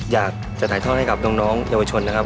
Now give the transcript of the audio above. อยากจะถ่ายทอดให้กับน้องเยาวชนนะครับ